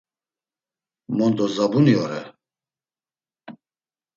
Mondo zabuni ore.